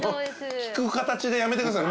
聞く形でやめてください。